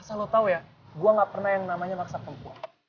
asal lo tau ya gue ga pernah yang namanya maksa perempuan